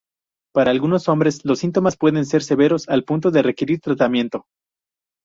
Para algunos hombres, los síntomas pueden ser severos al punto de requerir tratamiento.